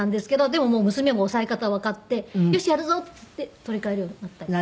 でも娘も押さえ方わかってよしやるぞっていって取り替えるようになったりとか。